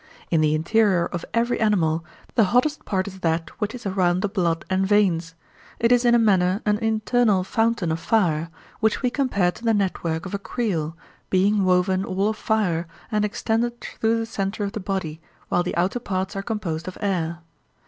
In the interior of every animal the hottest part is that which is around the blood and veins; it is in a manner an internal fountain of fire, which we compare to the network of a creel, being woven all of fire and extended through the centre of the body, while the outer parts are composed of air.